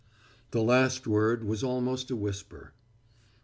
The last word was almost a whisper.